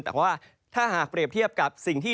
แต่ว่าถ้าหากเปรียบเทียบกับสิ่งที่